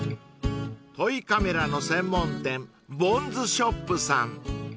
［トイカメラの専門店ＢＯＮＺＳＨＯＰさん］